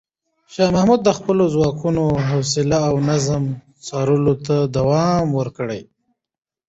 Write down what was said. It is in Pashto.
شاه محمود د خپلو ځواکونو حوصله او نظم څارلو ته دوام ورکړ.